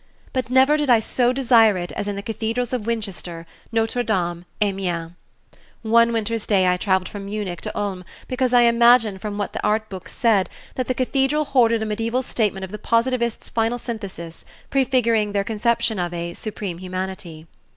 But never did I so desire it as in the cathedrals of Winchester, Notre Dame, Amiens. One winter's day I traveled from Munich to Ulm because I imagined from what the art books said that the cathedral hoarded a medieval statement of the Positivists' final synthesis, prefiguring their conception of a "Supreme Humanity."